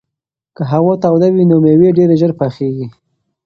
که هوا توده وي نو مېوې ډېرې ژر پخېږي.